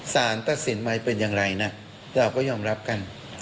สารตัดสินใหม่เป็นอย่างไรนะเราก็ยอมรับกัน